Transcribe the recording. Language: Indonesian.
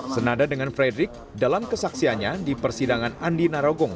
menada dengan fredrik dalam kesaksiannya di persidangan andi narogong